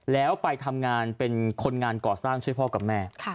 แล้วไปทำงานเป็นคนงานก่อสร้างช่วยพ่อกับแม่